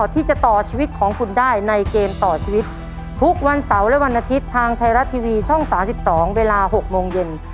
ที่จะต่อชีวิตของคุณได้ในเกมต่อชีวิตทุกวันเสาร์และวันอาทิตย์ทางไทยรัฐทีวีช่อง๓๒เวลา๖โมงเย็น